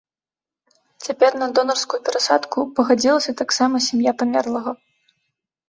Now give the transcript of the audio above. Цяпер на донарскую перасадку пагадзілася таксама сям'я памерлага.